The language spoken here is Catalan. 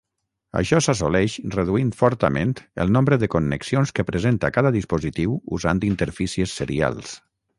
Això s'assoleix reduint fortament el nombre de connexions que presenta cada dispositiu usant interfícies serials.